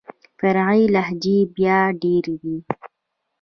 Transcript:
فرعي لهجې بيا ډېري دي.